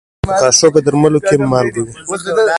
د غاښونو درملو کې هم مالګه وي.